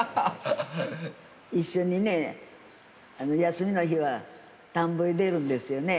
一緒にね、休みの日は、田んぼへ出るんですよね。